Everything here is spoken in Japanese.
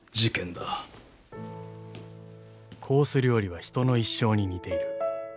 ［コース料理は人の一生に似ている］